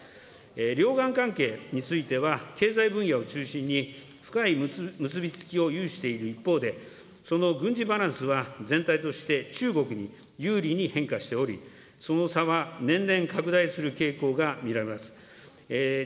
両岸関係については、経済分野を中心に、深い結び付きを有している一方で、その軍事バランスは全体として中国に有利に変化しており、その差は年々拡大する傾向が見られます。